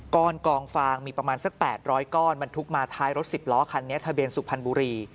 ก้อนกองฟางมีประมาณสัก๘๐๐ก้อนบรรทุกมาท้ายรถ๑๐ล้อคันนี้ทะเบียนสุพรรณบุรี